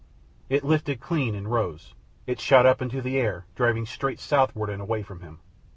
It lifted clean and rose. It shot up into the air, driving straight southward and away from him.